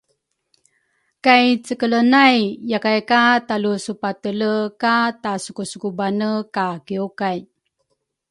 Kay cekele nay yakay ka talusupatele ka tasukusukubane ka kiwkay